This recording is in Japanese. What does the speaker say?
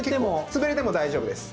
潰れても大丈夫です。